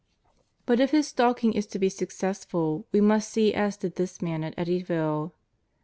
But if His stalking is to be successful we must see as did this man at Eddyville.